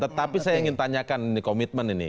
tetapi saya ingin tanyakan ini komitmen ini